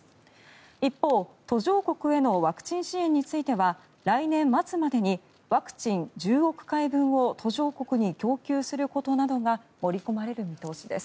一方、途上国へのワクチン支援については来年末までにワクチン１０億回分を途上国に供給することなどが盛り込まれる見通しです。